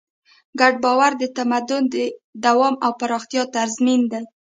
ګډ باور د تمدن د دوام او پراختیا تضمین دی.